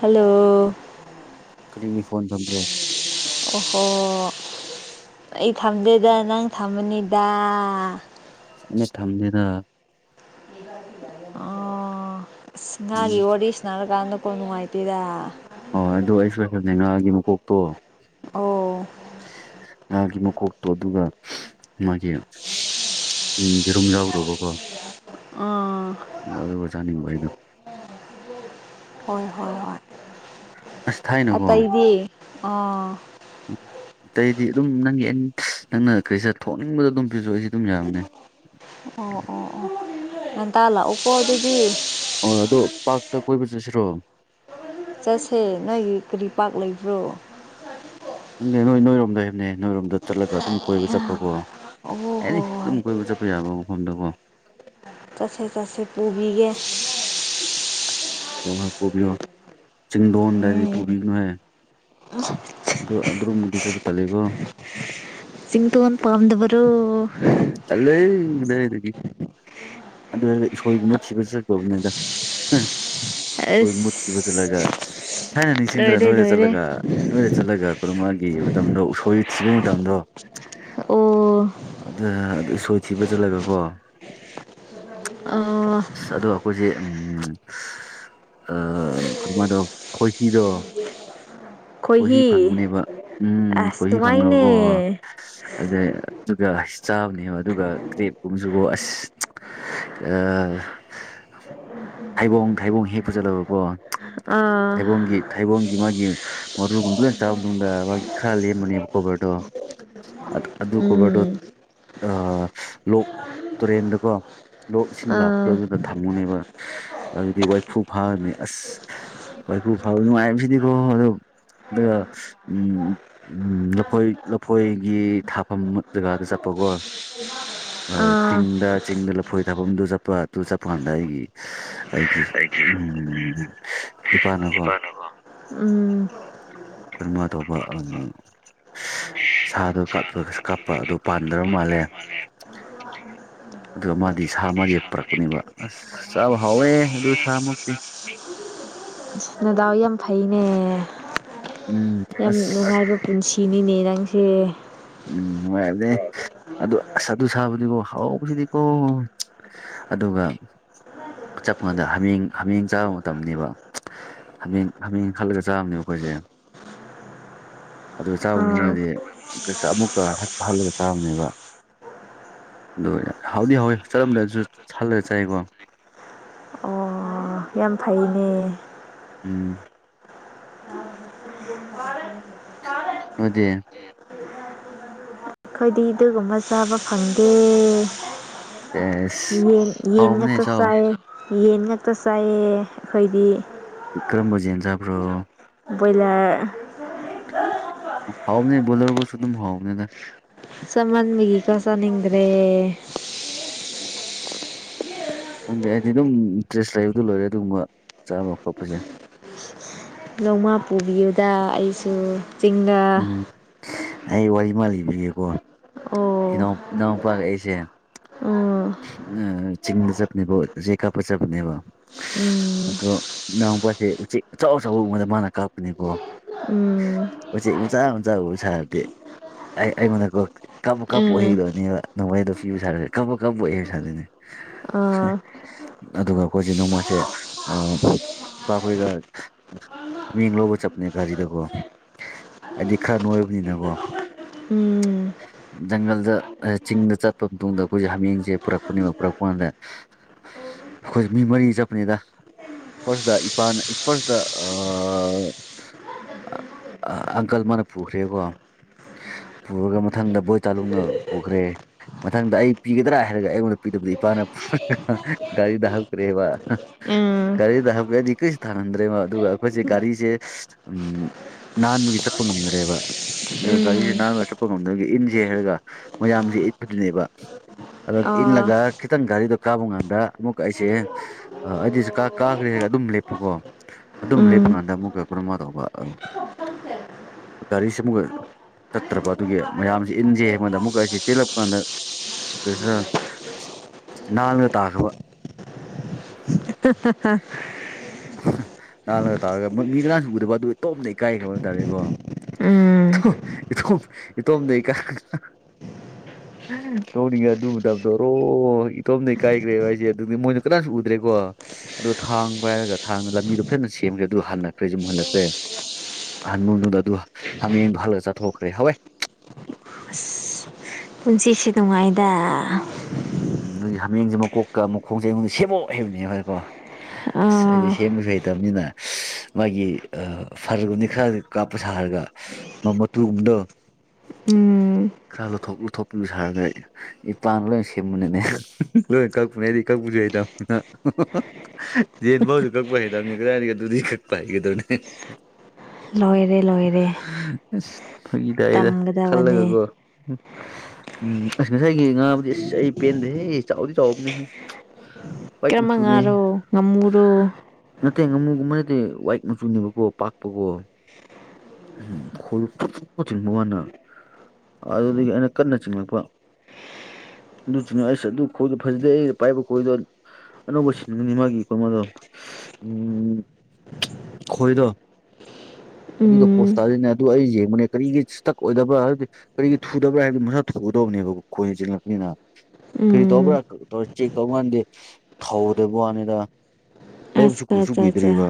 hello ꯀꯔꯤꯒꯤ phone ꯊꯝꯕ꯭ꯔꯥ ꯑꯣꯍꯣ ꯑꯩ ꯊꯝꯗꯦꯗ ꯅꯪ ꯊꯝꯕꯅꯤꯗ ꯑꯩꯅ ꯊꯝꯗꯦꯗ ꯑꯣ ꯑꯁ ꯉꯥꯒꯤ ꯎꯝ ꯋꯥꯔꯤ ꯁꯅꯔꯛꯀꯥꯟꯗ ꯀꯣꯜ ꯅꯨꯡꯉꯥꯏꯇꯦꯗꯥ ꯍꯣꯏ ꯑꯗꯨ ꯑꯣꯏꯔꯁꯨ ꯉꯥꯒꯤ ꯃꯀꯣꯛꯇꯣ ꯑꯣ ꯉꯥꯒꯤ ꯃꯀꯣꯛꯇꯣ ꯑꯗꯨꯒ ꯃꯥꯒꯤ ꯏꯔꯨꯝ ꯌꯥꯎꯗꯕꯀꯣ ꯑ ꯑꯗꯨꯒ ꯆꯥꯅꯤꯡꯈ꯭ꯔꯦꯗꯥ ꯍꯣꯏ ꯍꯣꯏ ꯍꯣꯏ ꯑꯁ ꯊꯥꯏꯅꯀꯣ ꯑꯇꯩꯗꯤ ꯑ ꯑꯇꯩꯗꯤ ꯑꯗꯨꯝ ꯅꯪꯒꯤ ꯑꯦꯅꯤ ꯅ ꯪꯅ ꯀꯔꯤ ꯊꯣꯛꯅꯤꯡꯕꯗꯨ ꯑꯗꯨꯝ ꯄꯤꯖꯧ ꯑꯩꯁ ꯑꯗꯨꯝ ꯌꯥꯕꯅꯦ ꯑꯣ ꯑꯣ ꯑꯣ ꯉꯦꯟꯇꯥ ꯂꯥꯛꯎꯀꯣ ꯑꯗꯨꯗꯤ ꯑꯣ ꯑꯗꯣ ꯄꯥꯔꯇ ꯀꯣꯏꯕ ꯆꯠꯁꯤꯔꯣ ꯆꯠꯁꯦ ꯅꯣꯏꯒꯤ ꯀꯔꯤ ꯄꯥꯛ ꯂꯩꯕ꯭ꯔꯣ ꯈꯪꯗꯦ ꯅꯣꯏ ꯅꯣꯏꯔꯣꯝꯗ ꯂꯩꯕꯅꯦ ꯅꯣꯏꯔꯣꯝꯗ ꯆꯠꯂꯒ ꯑꯗꯨꯝ ꯀꯣꯏꯕ ꯆꯠꯄꯀꯣ ꯑꯣ ꯍꯣ ꯑꯦꯅꯤ ꯍꯣꯏ ꯑꯗꯨꯝ ꯀꯣꯏꯕ ꯆꯠꯄ ꯌꯥꯕ ꯃꯐꯝꯗꯀꯣ ꯆꯠꯁꯦ ꯆꯠꯇꯁꯦ ꯄꯨꯕꯤꯒꯦ ꯄꯨꯕꯤꯔꯣ ꯄꯨꯕꯤꯔꯣ ꯆꯤꯡꯗꯣꯟꯗꯗꯤ ꯄꯨꯕꯤꯒꯅꯨꯍꯦ ꯑꯗꯨ ꯑꯗꯨꯝꯃꯨꯛꯇ ꯆꯠꯄ ꯇꯠꯂꯦꯀꯣ ꯆꯤꯡꯗꯣꯜ ꯄꯥꯝꯗꯕꯔꯣ ꯇꯜꯂꯦꯍꯦ ꯀꯗꯥꯏꯗꯒꯤ ꯑꯗꯣꯏ ꯎꯁꯣꯏꯒꯨꯝꯕ ꯊꯤꯕ ꯆꯠꯇꯧꯅꯤꯗꯥ ꯑꯩꯈꯣꯏ ꯃꯨꯠ ꯊꯤꯕ ꯑꯁ ꯆꯠꯂꯒ ꯊꯥꯏꯅ ꯅꯤꯡꯁꯤꯡꯗ꯭ꯔ ꯂꯣꯏꯔꯦ ꯅꯣꯏꯗ ꯂꯣꯏꯔꯦ ꯆꯠꯂꯒ ꯅꯣꯏꯗ ꯆꯠꯂꯒ ꯈꯨꯔ ꯃꯥꯒꯤ ꯃꯇꯝꯗꯣ ꯎꯁꯣꯏ ꯊꯤꯕ ꯃꯇꯝꯗꯣ ꯑꯣ ꯎꯁꯣꯏꯊꯤꯕ ꯆꯠꯂꯒ ꯀꯣ ꯑ ꯑꯗꯣ ꯑꯩꯈꯣꯏꯁꯦ ꯑ ꯑꯩꯈꯣꯏ ꯃꯥꯗꯣ ꯈꯣꯍꯤꯗꯣ ꯈꯣꯏꯍꯤ ꯐꯪꯕꯅꯦꯕ ꯎꯝ ꯑꯁ ꯈꯣꯏꯍꯤ ꯐꯪꯅꯕꯀꯣ ꯅꯨꯡꯉꯥꯏꯅꯦ ꯑꯗꯨꯒ ꯆꯥꯕꯅꯦꯕ ꯑꯗꯨꯒ ꯀ꯭ꯔꯦꯞꯀꯨꯟꯁꯨ ꯀꯣ ꯊꯩꯕꯣꯡ ꯊꯩꯕꯣꯡ ꯍꯦꯛꯄ ꯆꯠꯂꯕꯀꯣ ꯑꯥ ꯊꯩꯕꯣꯡꯒꯤ ꯊꯩꯕꯣꯡꯒꯤ ꯃꯥꯒꯤ ꯃꯔꯨꯒꯨꯝꯕ ꯂꯣꯏ ꯆꯥꯕ ꯃꯇꯨꯡꯗ ꯃꯥꯒꯤ ꯈꯔ ꯂꯦꯝꯕꯅꯦꯕ ꯀꯣꯕꯔꯗꯣ ꯑꯗꯨ ꯀꯣꯕꯔꯗꯣ ꯎꯝ ꯑꯥ ꯂꯣꯛ ꯇꯨꯔꯦꯟꯗꯀꯣ ꯂꯣꯛ ꯏꯁꯤꯡ ꯂꯥꯛ ꯑꯥ ꯑꯗꯨꯗ ꯊꯝꯃꯨꯅꯦꯕ ꯑꯗꯨꯗꯤ ꯋꯥꯏꯐꯨ ꯐꯥꯔꯅꯤ ꯑꯁ ꯋꯥꯢꯐꯨ ꯐꯥꯕ ꯅꯨꯡꯉꯥꯏꯕꯁꯤꯗꯤꯀꯣ ꯑꯗꯣ ꯑꯗꯨꯒ ꯎꯝ ꯎꯝ ꯂꯐꯣꯏ ꯂꯐꯣꯏꯒꯤ ꯊꯥꯐꯝ ꯃꯛ ꯖꯒꯥꯗ ꯆꯠꯄꯀꯣ [unintelligible] ꯑ ꯆꯤꯡꯗ ꯆꯤꯡꯗ ꯂꯐꯣꯏ ꯊꯥꯐꯝꯗꯨ ꯆꯠ ꯄꯥ ꯑꯗꯨ ꯆꯠꯄ ꯀꯥꯟꯗ ꯑꯩꯒꯤ ꯑꯩꯒꯤ ꯎꯝꯍꯨꯝꯍꯨꯝ ꯏꯄꯥꯅꯀꯣ ꯎꯝ ꯀꯔꯃꯥ ꯇꯧꯕ ꯁꯥꯗꯣ ꯀꯥꯞꯄ ꯀꯥꯞꯄ ꯑꯗꯣ ꯄꯥꯟꯗ꯭ꯔ ꯃꯥꯜꯂꯦ ꯑꯗꯨ ꯃꯥꯗꯤ ꯁꯥ ꯑꯃꯗꯤ ꯄꯨꯔꯛꯄꯅꯦꯕ ꯑꯁ ꯆꯥꯕ ꯍꯥꯎꯋꯦ ꯑꯗꯨ ꯁꯥꯃꯨꯛꯇꯤ [unintelligible] ꯅꯗꯥꯎ ꯌꯥꯝ ꯐꯩꯅꯦ ꯎꯝ ꯌꯥꯝ ꯑꯁ ꯅꯨꯡꯉꯥꯏꯕ ꯄꯨꯟꯁꯤꯅꯤꯅꯦ ꯅꯪꯁꯦ ꯎꯝ ꯅꯨꯡꯉꯥꯏꯕꯅꯦ ꯑꯗꯨ ꯑꯁ ꯑꯗꯨ ꯁꯥꯕꯨꯗꯤꯀꯣ ꯍꯥꯎꯕꯁꯤꯗꯤꯀꯣ ꯑꯗꯨꯒ ꯆꯠꯄ ꯀꯥꯟꯗ ꯍꯥꯃꯦꯡ ꯍꯥꯃꯦꯡ ꯆꯥꯕ ꯃꯇꯝꯅꯦꯕ ꯍꯃꯦꯡ ꯍꯃꯦꯡ ꯈꯜꯂꯒ ꯆꯥꯕꯅꯦꯕ ꯑꯩꯈꯣꯏꯁꯦ ꯑꯗꯨꯒ ꯆꯥꯕ ꯑꯥ ꯃꯇꯨꯡꯗꯗꯤ ꯈꯣꯢꯁꯦ ꯑꯃꯨꯛꯀ ꯍꯟ ꯍꯜꯂꯒ ꯆꯥꯕꯅꯦꯕ ꯗꯨ ꯑꯣꯢꯔꯦ ꯍꯥꯎꯗꯤ ꯍꯥꯎꯋꯤ ꯆꯠꯂꯝꯗꯥꯢꯁꯨ ꯁꯜꯂꯒ ꯆꯥꯏꯀꯣ ꯑꯣ ꯌꯥꯝ ꯐꯩꯅꯦ ꯎꯝ ꯄꯥꯔꯦ ꯄꯥꯔꯦ ꯅꯣꯢꯗꯤ [inaudible] ꯈꯣꯏꯗꯤ ꯗꯨꯒꯨꯝꯕ ꯆꯥꯕ ꯐꯪꯗꯦ ꯑꯦꯁ ꯌꯦꯟ ꯌꯦꯟ ꯍꯥꯎꯕꯅꯦ ꯉꯥꯛꯇ ꯆꯥꯎ ꯆꯥꯏꯋꯦ ꯌꯦꯟ ꯉꯥꯛꯇ ꯆꯥꯏꯋꯦ ꯑꯈꯣꯏꯗꯤ ꯀꯔꯝꯕ ꯖꯦꯟ ꯆꯥꯕ꯭ꯔꯣ ꯕꯣꯏꯂꯔ ꯍꯥꯎꯕꯅꯦ ꯕꯣꯏꯂꯔꯕꯨꯁꯨ ꯑꯗꯨꯝ ꯍꯥꯎꯕꯅꯦꯗ ꯆꯥꯃꯟꯕꯒꯤꯀꯣ ꯆꯅꯤꯡꯗ꯭ꯔꯦ ꯈꯪꯗꯦ ꯑꯩꯗꯤ ꯑꯗꯨꯝ ꯏꯟꯇꯔꯦꯁ ꯂꯩꯕꯗ ꯂꯣꯏꯔꯦ ꯑꯗꯨꯒꯨꯝꯕ ꯆꯥꯕ ꯈꯣꯠꯄꯁꯦ ꯅꯣꯡꯃꯥ ꯄꯨꯕꯤꯌꯨꯗ ꯑꯩꯁꯨ ꯆꯤꯡꯗ ꯎꯝ ꯑꯩ ꯋꯥꯔꯤ ꯑꯃ ꯂꯤꯕꯤꯒꯦꯀꯣ ꯑꯣ ꯏꯅꯥꯎ ꯏꯅꯥꯎꯄꯥꯒ ꯑꯩꯁꯦ ꯑꯣ ꯎꯝ ꯆꯤꯡꯗ ꯆꯠꯄꯅꯦꯕꯣ ꯎꯆꯦꯛ ꯀꯥꯞꯄ ꯆꯠꯄꯅꯦꯕ ꯎꯝ ꯑꯗꯣ ꯏꯅꯥꯎꯄꯥꯗꯤ ꯎꯆꯦꯛ ꯑꯆꯧ ꯑꯆꯧꯕ ꯎꯕꯗ ꯃꯥꯅ ꯀꯥꯞꯄꯅꯦꯀꯣ ꯎꯝ ꯎꯆꯦꯛ ꯃꯆꯥ ꯃꯆꯥ ꯎꯕꯁꯥꯔꯗꯤ ꯑꯩ ꯑꯩꯉꯣꯟꯗ ꯀꯣ ꯀꯥꯄꯣ ꯀꯥꯄꯣ ꯎꯝ ꯍꯩꯗꯣꯅꯦꯕ ꯅꯣꯡꯃꯩꯗꯣ ꯄꯤꯕ ꯁꯥꯔꯒ ꯀꯥꯄꯣ ꯀꯥꯄꯣꯏ ꯑꯦꯝ ꯁꯥꯗꯣꯏꯅꯦ ꯑꯥ ꯑꯗꯨꯒ ꯑꯈꯣꯏꯁꯦ ꯅꯣꯡꯃꯩꯁꯦ ꯑ ꯢꯄꯥꯈꯣꯏꯒ ꯍꯃꯦꯡ ꯂꯧꯕ ꯆꯞꯄꯅꯦ ꯒꯥꯔꯤꯗꯀꯣ ꯑꯩꯗꯤ ꯈꯔ ꯅꯣꯏꯕꯅꯤꯅꯀꯣ ꯎꯝ ꯖꯪꯒꯜꯗ ꯆꯤꯡꯗ ꯆꯠꯄ ꯃꯇꯨꯡꯗ ꯑꯩꯈꯣꯏ ꯃꯤꯡꯖꯦ ꯄꯨꯔꯛꯄꯅꯦꯕ ꯄꯨꯔꯛꯄ ꯀꯥꯟꯗ ꯑꯩꯈꯣꯏꯖꯦ ꯃꯤ ꯃꯔꯤ ꯆꯠꯄꯅꯤꯗ ꯐꯥꯔꯁꯇ ꯏꯄꯥꯅ ꯐꯥꯔꯁꯇ ꯑ ꯑꯪꯀꯜ ꯑꯃꯥꯅ ꯄꯨꯈ꯭ꯔꯦꯀꯣ ꯄꯨꯔꯒ ꯃꯊꯪꯗ ꯕꯣꯏ ꯇꯥꯂꯨꯛꯅ ꯄꯨꯈ꯭ꯔꯦ ꯃꯊꯪꯗ ꯑꯩ ꯄꯤꯒꯗ꯭ꯔꯥ ꯍꯥꯏꯔꯒ ꯑꯩꯉꯣꯟꯗ ꯄꯤꯗꯕꯤꯗ ꯏꯄꯥꯅ ꯒꯥꯔꯤꯗ ꯍꯞꯈ꯭ꯔꯦꯕ ꯎꯝ ꯒꯥꯔꯤꯗ ꯍꯥꯞꯈ꯭ꯔꯗꯤ ꯀꯔꯤꯁꯨ ꯊꯥꯡꯍꯟꯗ꯭ꯔꯦꯕ ꯑꯗꯨꯒ ꯑꯩꯈꯣꯏꯖꯦ ꯒꯥꯔꯤꯖꯦ ꯎꯝ ꯅꯥꯟꯕꯒꯤ ꯆꯠꯄ ꯉꯝꯗꯔꯦꯕ ꯗꯨ ꯒꯥꯔꯤꯖꯦ ꯎꯝ ꯅꯥꯟꯕꯒꯤ ꯆꯠꯄ ꯉꯝꯗꯕꯒꯤ ꯏꯟꯖꯦ ꯍꯥꯏꯔꯒ ꯃꯌꯥꯝꯖꯦ ꯏꯠꯄꯗꯨꯅꯦꯕ ꯑꯗꯨ ꯑꯥ ꯏꯜꯂꯒ ꯈꯤꯇꯪ ꯒꯥꯔꯤꯗꫭ ꯀꯥꯕ ꯀꯥꯟꯗ ꯑꯃꯨꯛ ꯑꯩꯁꯦ ꯑ ꯑꯩꯗꯤ ꯖꯤꯀꯥ ꯀꯥꯒ꯭ꯔꯦ ꯑꯗꯨꯝ ꯂꯦꯞꯄꯀꯣ ꯑꯗꯨꯝ ꯂꯦꯞꯄ ꯎꯝ ꯀꯥꯟꯗ ꯑꯃꯨꯛꯀ ꯀꯔꯃ ꯇꯧꯕ ꯒꯥꯔꯤꯁꯤ ꯑꯃꯨꯛꯀ ꯆꯠꯇ꯭ꯔꯕ ꯑꯗꯨꯒꯤ ꯃꯌꯥꯝꯁꯤ ꯏꯟꯖꯦ ꯑꯩꯉꯣꯟꯗ ꯑꯃꯨꯛ ꯑꯩꯁꯦ ꯆꯦꯜꯂꯛ ꯀꯥꯟꯗ ꯀꯔꯤꯁ ꯅꯜꯕꯗ ꯇꯥꯈ꯭ꯔꯕ [unintelligible] ꯅꯜꯂꯒ ꯇꯥꯔꯒ ꯃꯤꯒꯥꯡꯁꯨ ꯎꯒꯗꯕ ꯑꯗꯨ ꯏꯇꯣꯝꯇ ꯏꯀꯥꯏꯈꯤꯕ ꯍꯥꯏꯇꯥꯥꯔꯦꯀꯣ ꯎꯝ ꯏꯇꯣꯝ ꯏꯇꯣꯝ ꯏꯇꯣꯝꯗ ꯏꯀꯥꯏ ꯅꯣꯛꯅꯤꯡꯉꯦ ꯑꯗꯨ ꯃꯇꯝꯗꫭ ꯔꫭ ꯏꯇꯣꯝꯗ ꯏꯀꯥꯏꯒ꯭ꯔꯦꯕ ꯑꯩꯏꯖꯦ ꯑꯗꯨꯗꯤ ꯃꯣꯏꯅ ꯀꯅꯥꯁꯨ ꯎꯗ꯭ꯔꯦꯀꯣ ꯑꯗꯨ ꯊꯥꯡ ꯄꯥꯏꯔꯒ ꯊꯥꯡ ꯂꯝꯕꯤꯗꯣ ꯐꯖꯅ ꯁꯦꯝꯒ꯭ꯔꯦ ꯑꯗꯨ ꯍꯟꯅꯈ꯭ꯔꯦ ꯌꯨꯝ ꯍꯟꯅꯈ꯭ꯔꯦ ꯍꯟꯃꯗꯨꯗ ꯑꯗꯨ ꯍꯥꯃꯦꯡꯗꫭ ꯍꯠꯂꯒ ꯆꯊꯣꯛꯈ꯭ꯔꯦ ꯍꯥꯋꯦ ꯄꯨꯟꯁꯤꯁꯦ ꯅꯨꯡꯉꯥꯏꯗ ꯎꯝ ꯑꯗꯨꯒꯤ ꯍꯥꯃꯦꯡꯖꯦ ꯃꯀꯣꯛꯀ ꯃꯈꯣꯡꯖꯦ ꯑꯩꯉꯣꯟꯗ ꯁꯦꯝꯃꯣ ꯍꯥꯏꯕꯅꯦꯕꯀꯣ ꯑꯁ ꯑꯩꯗꯤ ꯑꯥ ꯁꯦꯝꯕꯁꯨ ꯍꯩꯇꯕꯅꯤꯅ ꯃꯣꯏꯒꯤ ꯑ ꯐꯔꯒꯨꯝꯅꯤ ꯈꯔ ꯀꯥꯞꯄ ꯁꯥꯔꯒ ꯃ ꯃꯇꯨꯒꯨꯝꯕꯗꫭ ꯎꯝ ꯈꯔ ꯂꯧꯊꯣꯛ ꯂꯨꯊꯣꯛꯄꯨꯂꯨ ꯁꯥꯔꯒꯩ ꯏꯄꯥꯅ ꯂꯣꯏ ꯁꯦꯝꯕꯅꯤꯅꯦ ꯂꯣꯏ ꯀꯛꯄꯅꯦ ꯑꯩꯗꯤ ꯀꯛꯄꯖꯨ ꯍꯩꯇꯝꯅꯤꯅ ꯌꯦꯟ ꯕꯧꯖꯨ ꯀꯛꯄ ꯍꯩꯇꯝꯅꯦ ꯀꯗꯥꯏꯗꯒꯤ ꯑꯗꯨꯗꯤ ꯀꯛꯄ ꯍꯥꯏꯒ꯭ꯔꫭꯅꯦ ꯂꯣꯏꯔꯦ ꯂꯣꯏꯔꯦ ꯑꯁ ꯐꯥꯒꯤ ꯇꯥꯌꯦꯗ ꯇꯝꯒꯗꯕꯅꯦ ꯈꯜꯂꯒꯒꯣ ꯎꯝ ꯑꯁ ꯉꯁꯥꯏꯒꯤ ꯉꯥꯕꯗꯤ ꯑꯁ ꯑꯩ ꯄꯦꯟꯗꯦꯍꯦ ꯆꯥꯎꯗꯤ ꯆꯥꯎꯕꯅꯦꯍꯦ ꯋꯥꯏꯠ ꯀꯔꯝꯕ ꯃꯆꯨꯅꯦ ꯉꯥꯔꯣ ꯉꯥꯃꯨꯔꯣ ꯅꯠꯇꯦ ꯉꯥꯃꯨꯒꯨꯝꯕ ꯅꯠꯇꯦ ꯋꯥꯏꯠ ꯃꯆꯨꯅꯦꯕꯀꯣ ꯄꯥꯛꯄꯀꯣ ꯎꯝ ꯈ ꯆꯤꯡꯕ ꯋꯥꯅ ꯑꯗꯨꯗꯒꯤ ꯑꯩꯅ ꯀꯟꯅ ꯆꯤꯡꯂꯛꯄ ꯑꯗꯨ ꯁꯤꯡꯉ ꯑꯁ ꯑꯗꯨ ꯈꯣꯏꯗꫭ ꯐꯖꯗꯦ ꯑꯩ ꯄꯥꯏꯕ ꯈꯣꯏꯗꫭ ꯑꯅꯧꯕ ꯁꯤꯟꯕꯅꯤ ꯃꯥꯒꯤ ꯀꯩꯅꫭꯗꯣ ꯎꯝ ꯈꯣꯏꯗꯣ ꯑꯗꯨꯗ ꯄꯣꯁ ꯎꯝ ꯇꯥꯔꯤꯅꯦ ꯑꯗꯨ ꯑꯩ ꯌꯦꯡꯕꯅꯦ ꯀꯔꯤꯒꯤ ꯏꯁꯇꯛ ꯑꯣꯏꯗꯕ꯭ꯔ ꯍꯥꯏꯕꯗꯤ ꯀꯔꯤꯒꯤ ꯊꯨꯗꯕ꯭ꯔꯥ ꯍꯥꯏꯕꯗꯤ ꯃꯁꯥ ꯊꯨꯒꯗꯕꯅꯦꯕ ꯈꯣꯏꯅ ꯆꯤꯡꯉꯛꯄꯅꯤꯅ ꯀꯔꯤ ꯎꯝ ꯇꯧꯕ꯭ꯔꯥ ꯇꯧ ꯆꯦꯛ ꯇꯧ ꯀꯥꯟꯗ ꯊꯧꯗꯕ ꯋꯥꯅꯤꯗ ꯂꯩꯕꯁꯨ ꯑꯠꯆꯥ ꯀꯨꯏꯁꯨ ꯑꯠꯆꯥ ꯑꯠꯆꯥ ꯀꯨꯏꯗ꯭ꯔꯤꯕ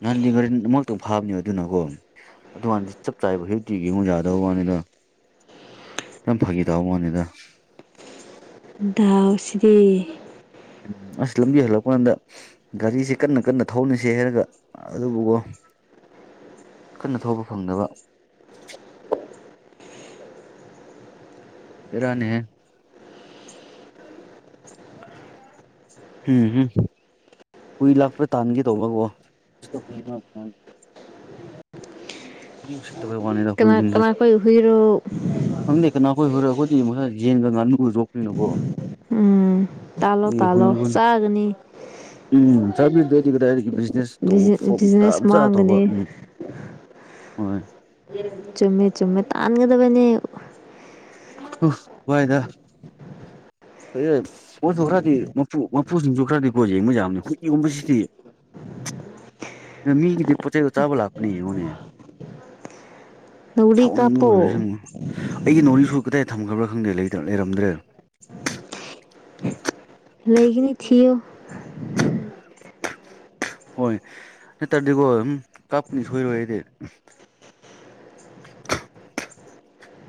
ꯅꯍꯥꯟꯗꯤ ꯉꯥꯔꯤꯟ ꯑꯃꯛꯇꯪ ꯐꯥꯕꯅꯦ ꯑꯗꯨꯅꯀꯣ ꯑꯗꯨꯀꯥꯟꯗꯤ ꯆꯞ ꯆꯥꯌꯦꯕ ꯍꯧꯖꯤꯛꯇꯤꯒꯤꯉꯨ ꯌꯥꯗꯕ ꯋꯥꯅꯤꯗ ꯌꯥꯝ ꯐꯥꯒꯤ ꯇꯥꯕ ꯋꯥꯅꯤꯗ ꯗꯥꯎꯁꯤꯗꯤ ꯎꯝ ꯑꯁ ꯂꯝꯕꯤ ꯍꯜꯂꯛꯄ ꯀꯥꯟꯗ ꯒꯥꯔꯤꯁꯦ ꯀꯟꯅ ꯀꯟꯅ ꯊꯧꯅꯁꯦ ꯍꯥꯏꯔꯒ ꯑꯗꯨꯕꯨꯒꯣ ꯀꯟꯅ ꯊꯧꯕ ꯐꯪꯗꯕ ꯕꯦꯔꯥꯅꯦꯍꯦ [unintelligible] ꯍꯨꯏ ꯂꯥꯛꯄꯥ ꯇꯥꯟꯒꯦ ꯇꯧꯕꯀꯣ ꯁꯤꯗꯥ ꯍꯨꯏ ꯑꯃ [inaudible] ꯃꯤ ꯎꯁꯤꯠꯇꯕꯩ ꯋꯥꯅꯤꯗ ꯀꯅꯥ ꯍꯨꯏꯖꯤꯡꯁꯦ ꯀꯅꯥ ꯈꯣꯏ ꯍꯨꯏꯔꯣ ꯈꯪꯗꯦ ꯀꯅꯥ ꯈꯣꯏ ꯍꯨꯏꯔꯥ ꯑꯈꯣꯏꯗꯤ [unintelligible] ꯌꯦꯟꯒꯥ ꯉꯥꯅꯨ ꯖꯣꯛꯄꯅꯤꯅꯀꯣ ꯎꯝ ꯇꯥꯜꯂꯣ ꯑꯦ ꯍꯨꯟ ꯇꯥꯜꯂꯣ ꯍꯨꯟ ꯆꯥꯒꯅꯤ ꯎꯝ [unintelligible] ꯖꯦꯁ ꯇꯧꯕ ꯐꯣꯔꯝ ꯇꯥ ꯕꯤꯖꯤꯅꯦꯁ ꯃꯆꯥ ꯇꯧꯕ ꯃꯥꯡꯒꯅꯤ ꯎꯝ ꯍꯣꯏ ꯆꯨꯝꯃꯦ ꯆꯨꯝꯃꯦ ꯇꯥꯟꯒꯗꯕꯅꯦ [unintelligible] ꯋꯥꯏꯗꯥ [unintelligible] ꯄꯣꯠꯁꯨ ꯈꯔꯗꯤ ꯃꯥꯄꯨ ꯃꯄꯨꯁꯤꯡꯁꯨ ꯈꯔꯗꯤꯀꯣ ꯌꯦꯡꯕ ꯌꯥꯕꯅꯤ ꯍꯨꯏꯒꯨꯝꯕꯁꯤꯗꯤ ꯅꯥ ꯃꯤꯒꯤꯗꯤ ꯄꯣꯠ ꯆꯩꯗꯣ ꯆꯥꯕ ꯂꯥꯛꯄꯅꯤ ꯌꯦꯡꯉꯨꯅꯦ ꯅꯥꯎꯔꯤ ꯁꯥꯎꯅꯤꯡꯕ ꯀꯥꯞꯄꯣ ꯂꯣꯏꯔꯦꯁꯦ ꯉꯣ ꯑꯩꯒꯤ ꯅꯣꯔꯤꯁꯨ ꯀꯗꯥꯏ ꯊꯝꯈ꯭ꯔꯥꯕ꯭ꯔꯥ ꯈꯪꯗꯦ ꯂꯩꯇꯥ ꯂꯩꯔꯝꯗ꯭ꯔꯦ [inaudible] ꯂꯩꯒꯤꯅꯤ ꯊꯤꯌꯨ ꯍꯣꯏ ꯅꯠꯇ꯭ꯔꯥꯗꯤꯀꯣ ꯑꯗꯨꯝ ꯀꯥꯞꯄꯅꯤ ꯁꯣꯏꯔꯣꯏ ꯑꯩꯗꯤ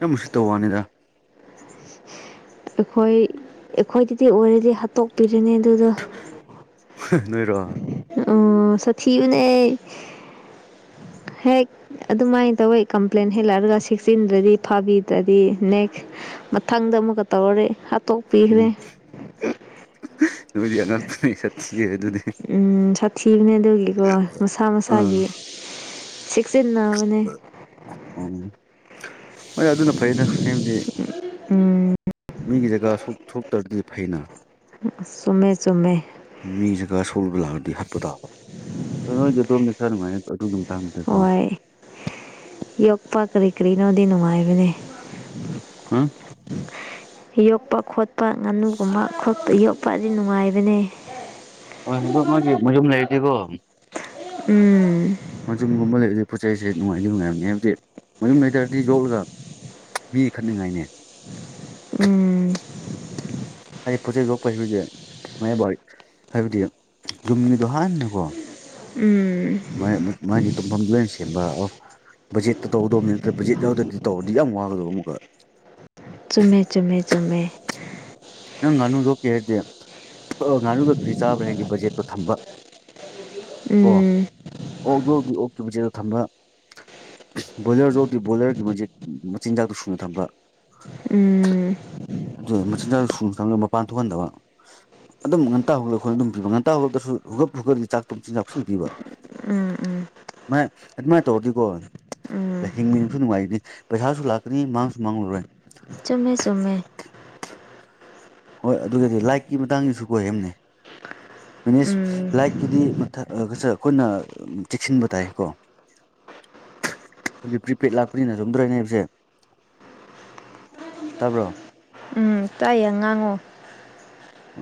ꯌꯥꯝ ꯎꯁꯤꯠꯇꯥ ꯋꯥꯅꯤꯗꯥ ꯑꯩꯈꯣꯏ ꯑꯩꯈꯣꯏꯗꯥꯗꯤ ꯑꯣꯏꯔꯗꯤ ꯍꯥꯠꯇꯣꯛꯄꯤꯔꯅꯤ ꯑꯗꯨꯗꯣ [unintelligible] ꯅꯣꯏꯔꯣ ꯍꯥꯑꯣ ꯁꯥꯊꯤꯕꯅꯦ ꯍꯦꯛ ꯑꯗꯨꯃꯥꯏꯟ ꯇꯧꯋꯦ ꯀꯝꯄ꯭ꯂꯦꯟ ꯍꯦꯜꯂꯔꯥꯒ ꯁꯤꯛꯁ ꯆꯤꯟꯗ꯭ꯔꯥꯗꯤ ꯐꯥꯕꯤꯗ꯭ꯔꯥꯗꯤ ꯅꯦꯛꯁ ꯃꯊꯪꯗ ꯑꯃꯨꯛꯀꯥ ꯇꯧꯔꯗꯤ ꯍꯞ ꯎꯝ ꯅꯣꯏꯗꯤ ꯑꯉꯛꯄꯅꯦ ꯁꯠ ꯊꯤ ꯑꯗꯨꯗꯤ ꯎꯝ ꯁꯥ ꯊꯤꯕꯅꯦ ꯑꯗꯨꯒꯤꯀꯣ ꯃꯁꯥ ꯑꯥ ꯃꯁꯥꯒꯤ ꯆꯤꯟꯅꯕꯅꯦ ꯎꯝ ꯍꯣꯏ ꯑꯗꯨꯅ ꯐꯩꯗꯥ ꯍꯥꯏꯕꯗꯤ ꯎꯝ ꯃꯤꯒꯤ ꯖꯒꯥ ꯁꯣꯛ ꯊꯣꯛꯇ꯭ꯔꯥꯗꯤ ꯐꯩꯅ ꯁꯨꯝꯃꯦ ꯆꯨꯝꯃꯦ ꯃꯤ ꯖꯒꯥ ꯁꯣꯛꯂꯕ ꯂꯥꯛꯑꯗꯤ ꯍꯠꯄ ꯇꯥꯕ ꯑꯗꯣ ꯅꯣꯏꯗꯤ ꯑꯗꯣꯝꯗꯤ ꯈꯔ ꯅꯨꯉꯥꯏꯅ ꯑꯗꯨꯒꯤ ꯃꯇꯥꯡꯗꯥꯀꯣ ꯍꯣꯏ ꯌꯣꯛꯄ ꯀꯔꯤ ꯀꯔꯤꯅꯣꯗꯤ ꯅꯨꯡꯉꯥꯏꯕꯅꯦ ꯍꯥ ꯌꯣꯛꯄ ꯈꯣꯠꯄ ꯉꯥꯅꯨꯒꯨꯝꯕ ꯈꯣꯠꯄ ꯌꯣꯛꯄ ꯑꯗꯤ ꯅꯨꯡꯉꯥꯏꯕꯅꯦ ꯍꯣꯏ ꯍꯨꯏꯗꯣ ꯃꯥꯒꯤ ꯃꯌꯨꯝ ꯂꯩꯔꯥꯗꯤꯀꯣ ꯎꯝ ꯃꯆꯨꯝꯒꯨꯝꯕ ꯂꯩꯔꯗꯤ ꯄꯣꯠ ꯆꯩꯁꯦ ꯅꯨꯡꯉꯥꯏꯗꯤ ꯅꯨꯡꯉꯥꯏꯕꯅꯤ ꯍꯥꯏꯕꯗꯤ ꯃꯌꯨꯝ ꯂꯩꯇꯔꯥꯗꯤ ꯌꯣꯛꯂꯒꯥ ꯃꯤ ꯈꯠꯅꯤꯡꯉꯥꯏꯅꯦ ꯎꯝ ꯍꯥꯏꯗꯤ ꯄꯣꯠ ꯆꯩ ꯌꯣꯛꯄ ꯍꯨꯏꯖꯦ [unintelligible] ꯍꯥꯏꯕꯗꯤ ꯌꯨꯝꯒꯤꯗꯣ ꯍꯥꯟꯅꯀꯣ ꯎꯝ ꯃꯥꯏ ꯃꯥꯒꯤ ꯇꯨꯝꯐꯝꯗꯨ ꯂꯣꯏꯅ ꯁꯦꯝꯕ ꯑꯣ ꯕꯖꯦꯠꯇ ꯇꯧꯒꯗꯕꯅꯤ ꯅꯠꯇ꯭ꯔ ꯕꯖꯦꯠ ꯌꯥꯎꯗ꯭ꯔꯗꯤ ꯇꯧꯔꯗꯤ ꯌꯥꯝ ꯋꯥꯒꯗꯕ ꯑꯃꯨꯛꯀ ꯆꯨꯝꯃꯦ ꯆꯨꯝꯃꯦ ꯆꯨꯝꯃꯦ ꯅꯪ ꯉꯥꯅꯨ ꯊꯣꯛꯀꯦ ꯍꯥꯏꯔꯗꯤꯦ ꯉꯥꯅꯨꯒ ꯀꯔꯤ ꯆꯥꯕ꯭ꯔꯥ ꯍꯥꯏꯒꯦ ꯕꯖꯦꯠꯇꯣ ꯊꯝꯕ ꯑꯣ ꯎꯝ ꯑꯣꯗꯤ ꯑꯣꯗꯤ ꯑꯣꯈꯤꯕ ꯃꯆꯦꯗ ꯊꯝꯕ ꯕꯣꯏꯂꯔꯁꯨ ꯍꯧꯗꯤ ꯕꯣꯏꯂꯔꯒꯤ ꯃꯆ ꯃꯆꯤꯟꯖꯥꯛꯇꯣ ꯁꯨꯅ ꯊꯝꯕ ꯎꯝ ꯑꯗꯨ ꯃꯆꯤꯟꯖꯥꯛ ꯁꯨꯅ ꯊꯝꯃ ꯃꯄꯥꯟ ꯊꯣꯛꯍꯟꯗꯕ ꯑꯗꯨꯝ ꯉꯟꯇꯥ ꯍꯧꯒꯂꯛ ꯑꯩꯈꯣꯏ ꯑꯗꯨꯝ ꯄꯕ ꯉꯟꯇꯥ ꯍꯧꯂꯛꯇ꯭ꯔꯁꯨ ꯍꯨꯒꯞ ꯍꯨꯛꯠꯗꯤ ꯆꯥꯛ ꯇꯨꯝ ꯆꯤꯟ ꯆꯥꯎꯁꯤꯟꯕꯤꯕ ꯎꯝ ꯎꯝ ꯃꯥꯏ ꯑꯗꯨꯃꯥꯏ ꯇꯧꯔꯗꯤ ꯀꯣꯅꯤ ꯎꯝ ꯍꯤꯡꯃꯤꯟꯅꯕꯁꯨ ꯅꯨꯡꯉꯥꯏꯒꯅꯤ ꯄꯩꯁꯥꯁꯨ ꯂꯥꯛꯀꯅꯤ ꯃꯥꯡꯁꯨ ꯃꯥꯡꯂꯔꯣꯏ ꯆꯨꯝꯃꯦ ꯆꯨꯝꯃꯦ ꯍꯣꯏ ꯑꯗꯨꯗꯤ ꯂꯥꯏꯔꯤꯛꯀꯤ ꯃꯇꯥꯡꯁꯤꯁꯨ ꯀꯣꯏꯕꯅꯦ ꯃꯤꯅꯤꯁ ꯎꯝ ꯂꯥꯏꯛꯀꯤꯗꯤꯊ [unintelligible] ꯑꯩꯈꯣꯏꯅ ꯆꯦꯛꯁꯤꯟꯕ ꯇꯥꯏ ꯀꯣ ꯑꯗꯨꯗꯤ ꯄ꯭ꯔꯤꯄꯦꯗ ꯂꯥꯛꯄꯅꯤꯅ ꯆꯨꯝꯗ꯭ꯔꯣ ꯑꯧꯅ ꯍꯥꯏꯕꯁꯦ ꯇꯕ꯭ꯔꯣ ꯎꯝ ꯇꯥꯏꯌꯦ ꯉꯥꯡꯉꯣ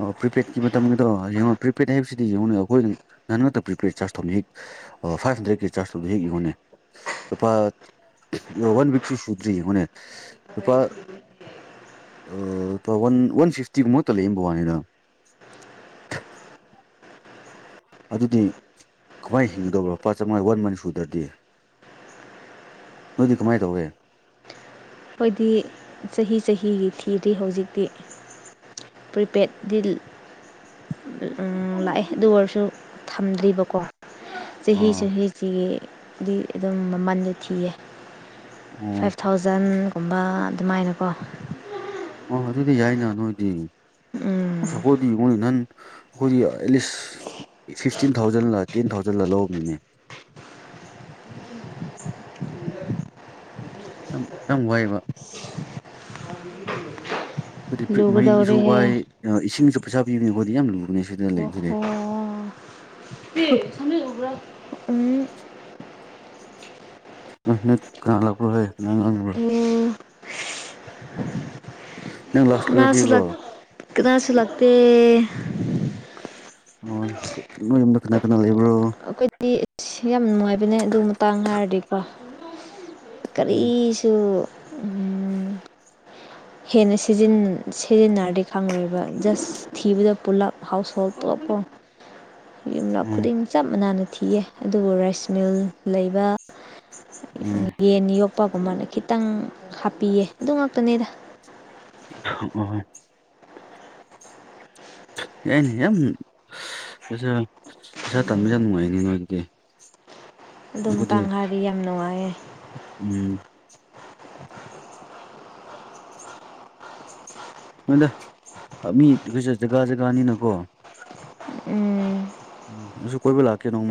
ꯑꯣ ꯄ꯭ꯔꯤꯄꯦꯗꯀꯤ ꯃꯇꯝꯒꯤꯗꯣꯡꯉꯣ ꯌꯦꯡꯉꯣ ꯄ꯭ꯔꯤꯄꯦꯗ ꯍꯥꯏꯕꯁꯤꯗꯤ ꯌꯦꯡꯉꯨ ꯑꯩꯈꯣꯏꯅ [unintelligible] ꯉꯛꯇ ꯄ꯭ꯔꯤꯄꯦꯗ ꯆꯥꯔꯖ ꯇꯧꯅꯤ ꯍꯦꯛ ꯑꯣ ꯐꯥꯏꯚ ꯍꯟꯗ꯭ꯔꯦꯠꯀꯤ ꯆꯥꯔꯖ ꯌꯦꯡꯉꯨꯅꯦ ꯂꯨꯄꯥ ꯋꯥꯟ ꯋꯤꯛꯁꯨ ꯁꯨꯗ꯭ꯔꯤ ꯌꯦꯡꯉꯨꯅꯦ ꯑꯗꯨ [inaudible] ꯑꯥ ꯋꯥꯟ ꯋꯥꯟ ꯐꯤꯐꯇꯤꯒꯤ ꯃꯠꯇ ꯂꯩ ꯌꯦ ꯋꯥꯅꯤꯗ ꯑꯗꯨꯗꯤ ꯀꯃꯥꯏꯅ ꯍꯤꯡꯒꯗꯕꯅ ꯂꯄꯥ ꯆꯥꯃꯉꯥ ꯋꯥꯟ ꯃꯟ ꯁꯨꯨꯔ꯭ꯔꯗꯤ ꯅꯣꯏꯗꯤ ꯀꯃꯥꯏꯅ ꯇꯧꯏꯦ ꯑꯩꯈꯣꯏꯗꯤ ꯆꯍꯤ ꯆꯍꯤꯒꯤ ꯊꯤꯗꯗꯤ ꯍꯧꯖꯤꯛꯇꯤ ꯄ꯭ꯔꯤꯄꯦꯗ ꯕꯤꯜ ꯂꯥꯛꯑꯦ ꯑꯗꯨ ꯑꯣꯏꯔꯁꯨ ꯊꯝꯗ꯭ꯔꯤꯕꯀꯣ ꯆꯍꯤ ꯑꯥ ꯆꯍꯤꯒꯤꯗꯤ ꯑꯗꯨꯝ ꯃꯃꯜꯁꯨ ꯊꯤꯌꯦ ꯑꯣ ꯐꯥꯏꯚ ꯊꯥꯎꯖꯟꯒꯨꯝꯕ ꯑꯗꯨꯃꯥꯏꯅꯀꯣ ꯑꯣ ꯑꯗꯨꯗꯤ ꯌꯥꯏꯅ ꯅꯣꯏꯗꯤ ꯎꯝ ꯑꯩꯈꯣꯏꯗꯥ ꯌꯦꯡꯉꯨꯅꯦ ꯅꯍꯟ ꯀꯣꯏꯗꯤ ꯑꯦꯠꯂꯤꯁ ꯐꯤꯐꯇꯤꯟ ꯊꯥꯎꯖꯟꯂ ꯇꯦꯟ ꯊꯥꯎꯖꯟꯂ ꯂꯧꯕꯅꯦ ꯌꯥꯝ ꯋꯥꯏꯕ ꯑꯩꯈꯗꯤ ꯃꯩꯁꯨ ꯂꯨꯒꯗꯧꯔꯦꯍꯦ ꯋꯥꯏ ꯏꯁꯤꯡꯁꯨ ꯄꯩꯁꯥ ꯄꯤꯕꯅꯦ ꯑꯩꯈꯣꯏꯗꯤ ꯌꯥꯝ ꯂꯨꯕꯅꯦ ꯁꯤꯗ ꯂꯩ ꯁꯤꯗꯤ ꯑꯣꯍꯣ [inaudible] ꯎꯝ ꯀꯅꯥ ꯂꯥꯛꯄ꯭ꯔꯣ ꯍꯣꯏ ꯅꯪ ꯉꯪꯕ꯭ꯔꯣ ꯎꯝ ꯅꯪ ꯂꯥꯎꯠ ꯏꯁꯄꯤꯀꯔ ꯀꯅꯥꯁꯨ ꯄꯤꯕ꯭ꯔꯣ ꯀꯅꯁꯨ ꯂꯥꯛꯇꯦ ꯑꯥ ꯅꯣꯏ ꯌꯨꯝꯗ ꯀꯅꯥ ꯀꯅ ꯂꯩꯕ꯭ꯔꯣ ꯑꯩꯈꯣꯏꯗꯤ ꯁꯤ ꯌꯥꯝ ꯅꯨꯡꯉꯥꯏꯕꯅꯦ ꯑꯗꯨ ꯃꯇꯥꯡ ꯍꯥꯏꯔꯗꯤꯀꯣ ꯎꯝ ꯀꯔꯤꯁꯨ ꯎꯝ ꯍꯦꯟꯅ ꯁꯤꯖꯤꯟ ꯁꯤꯖꯤꯟꯅꯔꯗꯤ ꯈꯪꯪꯂꯣꯏꯕ ꯖꯁ ꯊꯤꯕꯗ ꯄꯨꯂꯞ ꯍꯥꯎꯁ ꯍꯣꯜ ꯄꯨꯂꯞꯀꯣ ꯌꯨꯝꯂꯞ ꯎꯝ ꯈꯨꯗꯤꯡ ꯆꯞ ꯃꯅꯥꯅ ꯊꯤꯌꯦ ꯑꯗꯨꯕꯨ ꯔꯥꯏꯁ ꯃꯤꯜ ꯂꯩꯕ [inaudible] ꯌꯦꯟ ꯌꯣꯛꯄꯒꯨꯝꯕꯅ ꯈꯤꯇꯪ ꯍꯥꯞꯄꯤꯌꯦ ꯑꯗꯨ ꯉꯥꯛꯇꯅꯤꯗ ꯑꯣ ꯑꯩꯅ ꯌꯥꯝ ꯐꯖ ꯄꯩꯁꯥ ꯇꯥꯟꯕꯁꯦ ꯌꯥꯝ ꯅꯨꯡꯉꯥꯏꯅꯦ ꯅꯣꯏꯒꯤꯗꯤ ꯑꯗꯨ ꯃꯇꯥꯡ ꯍꯥꯏꯔꯗꯤ ꯌꯥꯝ ꯅꯨꯡꯉꯥꯏꯌꯦ ꯎꯝ [unintelligible] ꯖꯒꯥ ꯖꯒꯥꯅꯤꯅꯀꯣ ꯎꯝ ꯎꯝ ꯅꯁꯨ ꯀꯣꯏꯕꯨ ꯂꯥꯛꯀꯦ ꯅꯣꯡꯃ